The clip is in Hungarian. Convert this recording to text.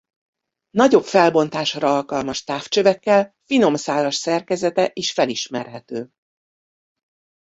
Nagyobb felbontásra alkalmas távcsövekkel finom szálas szerkezete is felismerhető.